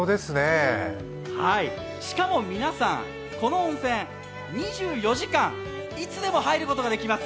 しかも皆さん、この温泉２４時間いつでも入ることができます。